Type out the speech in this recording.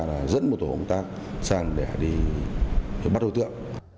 là dẫn một tổ công tác sang để đi bắt đối tượng